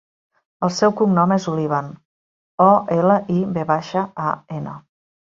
El seu cognom és Olivan: o, ela, i, ve baixa, a, ena.